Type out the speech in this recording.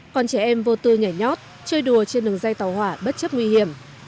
còn trẻ em vô tư nhảy nhót chơi đùa trên đường dây tàu hỏa bất chấp nguy hiểm